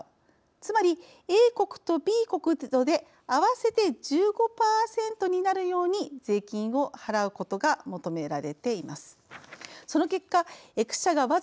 つまりＡ国とＢ国とで合わせて１５％になるように税金を払うことが求められています。